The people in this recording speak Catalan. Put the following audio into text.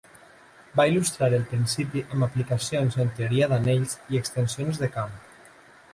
Va il·lustrar el principi amb aplicacions en teoria d'anells i extensions de camp.